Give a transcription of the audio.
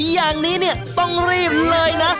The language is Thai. อย่างนี้ต้องรีบเลยนะ